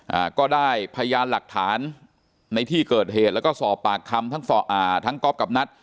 อ่าก็ได้พยานหลักฐานในที่เกิดเหตุแล้วก็สอบปากคำทั้งสอบอ่าทั้งก๊อฟกับนัท